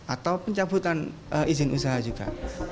atau pencabutan izin usaha juga